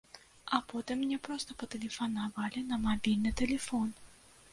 А потым мне проста патэлефанавалі на мабільны тэлефон.